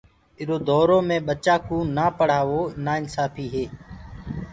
ايٚرو دورو مي ٻچآنٚ ڪو نآ پڙهآوو نآ انسآڦيٚ هي